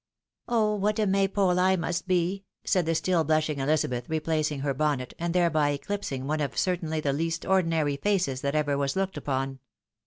" Oh ! what a maypole I must be !" said the still blushing Elizabeth, replacing her bonnet, and thereby eohpsing one of C'Ttainly the least ordinary faces that ever was looked upon.